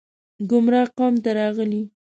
ګمراه قوم ته راغلي